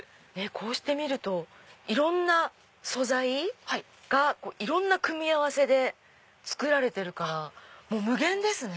こうして見るといろんな素材がいろんな組み合わせで作られてるから無限ですね。